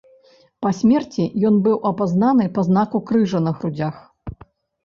Па смерці ён быў апазнаны па знаку крыжа на грудзях.